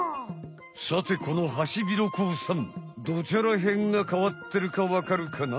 さてこのハシビロコウさんどちゃらへんがかわってるかわかるかな？